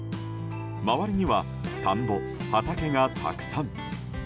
周りには田んぼ、畑がたくさん。